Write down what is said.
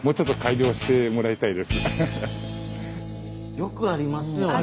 よくありますよね。